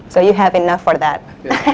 jadi anda sudah cukup untuk itu